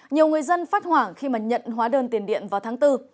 nhiều người dân phát hoảng khi mà nhận hóa đơn tiền điện vào tháng bốn